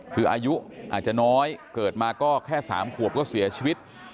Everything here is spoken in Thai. คืออายุอาจจะน้อยเกิดมาก็แค่๓ขวบก็เสียชีวิต